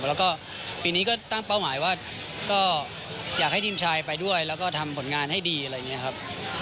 แล้วก็ปีนี้ก็ตั้งเป้าหมายว่าก็อยากให้ทีมชายไปด้วยแล้วก็ทำผลงานให้ดีอะไรอย่างนี้ครับ